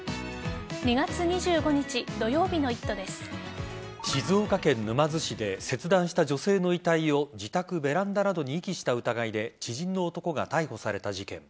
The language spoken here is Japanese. ２月２５日土曜日の静岡県沼津市で切断した女性の遺体を自宅ベランダなどに遺棄した疑いで知人の男が逮捕された事件。